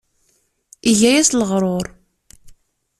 Iga-yas leɣrur.